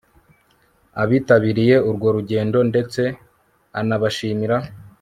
abitabiriye urwo rugendo ndetse anabashimira